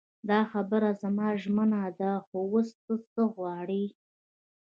دا خبره زما ژمنه ده خو اوس ته څه غواړې.